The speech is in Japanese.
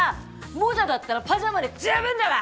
モジャだったらパジャマで十分だわ！